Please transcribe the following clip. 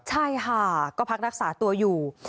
ใช่ค่ะก็พักรักษาตัวอยู่